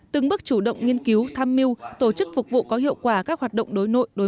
từng bước chủ động nghiên cứu tham mưu tổ chức phục vụ có hiệu quả các hoạt động đối nội